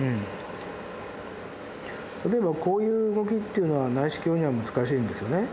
例えばこういう動きっていうのは内視鏡には難しいんですよね。